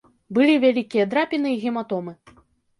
Былі вялікія драпіны і гематомы.